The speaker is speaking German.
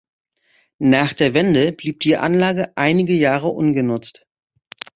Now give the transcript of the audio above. Nach der Wende blieb die Anlage einige Jahre ungenutzt.